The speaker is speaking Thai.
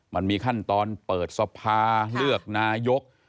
มันมีขั้นตอนเปิดสภาเลือกนายก